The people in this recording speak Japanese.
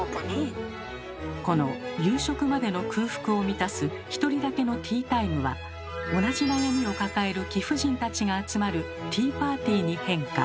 この夕食までの空腹を満たす１人だけのティータイムは同じ悩みを抱える貴婦人たちが集まるティーパーティーに変化。